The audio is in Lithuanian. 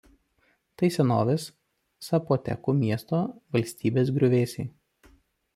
Tai senovės sapotekų miesto–valstybės griuvėsiai.